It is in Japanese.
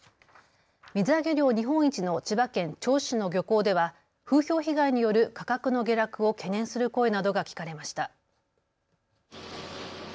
水揚げ量日本一の千葉県銚子市の漁港では風評被害による価格の下落を懸念する声などが聞かれました。